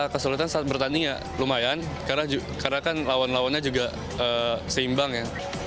kesulitan saat bertanding ya lumayan karena kan lawan lawannya juga seimbang ya